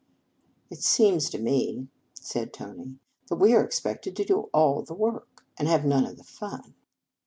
" It seems to me," said Tony, " that we are expected to do all the work, and have none of the fun."